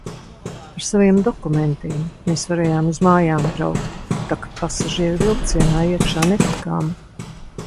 Ar saviem dokumentiem mēs varējām uz mājām braukt, tak pasažieru vilcienā iekšā netikām.